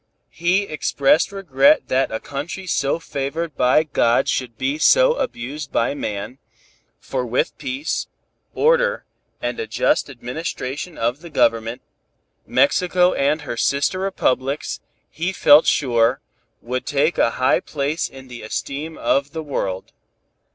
He expressed regret that a country so favored by God should be so abused by man, for with peace, order and a just administration of the government, Mexico and her sister republics, he felt sure, would take a high place in the esteem of the world.